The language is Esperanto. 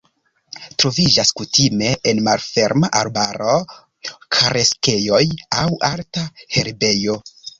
Troviĝas kutime en malferma arbaro, kareksejoj aŭ alta herbejo.